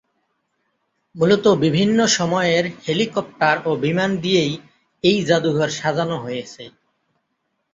মূলত বিভিন্ন সময়ের হেলিকপ্টার ও বিমান দিয়েই এই জাদুঘর সাজানো হয়েছে।